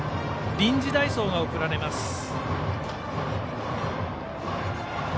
臨時代走が送られます。